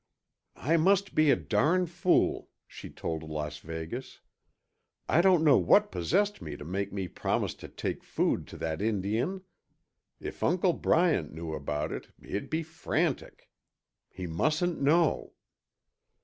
"I must be a darn fool," she told Las Vegas. "I don't know what possessed me to make me promise to take food to that Indian. If Uncle Bryant knew about it, he'd be frantic. He mustn't know."